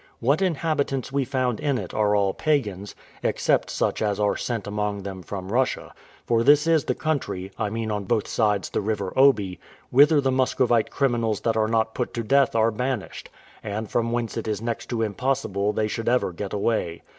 What inhabitants we found in it are all pagans, except such as are sent among them from Russia; for this is the country I mean on both sides the river Oby whither the Muscovite criminals that are not put to death are banished, and from whence it is next to impossible they should ever get away.